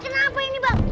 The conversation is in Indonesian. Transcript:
kenapa ini bang